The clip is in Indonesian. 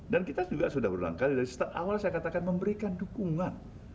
dan kita juga sudah berulang kali dari setelah awal saya katakan memberikan dukungan